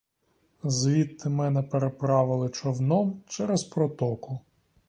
Звідти мене переправили човном через протоку.